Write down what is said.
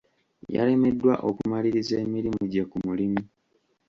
Yalemeddwa okumaliriza emirimu gye ku mulimu.